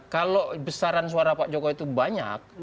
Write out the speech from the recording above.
kalau besaran suara pak jokowi itu banyak